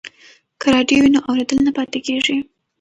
که راډیو وي نو اورېدل نه پاتې کیږي.